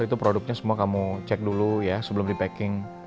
itu produknya semua kamu cek dulu ya sebelum di packing